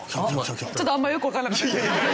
ちょっとあんまりよくわからなかった。